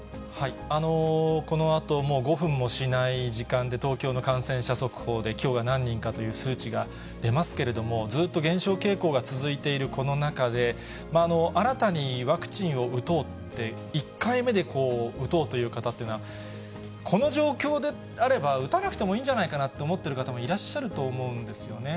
このあと、もう５分もしない時間で、東京の感染者速報で、きょうが何人かという数値が出ますけれども、ずっと減少傾向が続いているこの中で、新たにワクチンを打とうって、１回目で打とうという方というのは、この状況であれば、打たなくてもいいんじゃないかなと思ってる方もいらっしゃると思うんですよね。